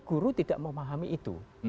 guru tidak memahami itu